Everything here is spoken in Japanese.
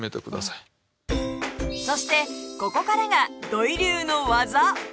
そしてここからが土井流の技！